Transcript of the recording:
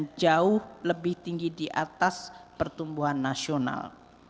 dan jauh lebih tinggi di atas pertumbuhan nasional